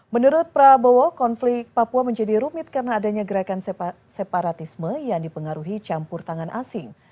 menurut prabowo konflik papua menjadi rumit karena adanya gerakan separatisme yang dipengaruhi campur tangan asing